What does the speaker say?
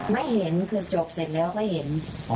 ไม่เห็นคือจบเสร็จแล้วก็เห็น